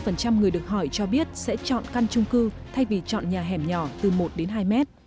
sáu mươi bốn người được hỏi cho biết sẽ chọn căn chung cư thay vì chọn nhà hẻm nhỏ từ một đến hai mét